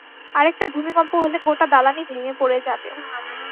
আরেকটা ভূমিকম্প হলে গোটা দালানই ভেঙে পড়ে যাবে।